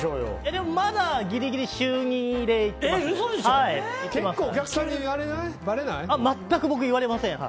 でもまだギリギリ週２で行ってますね。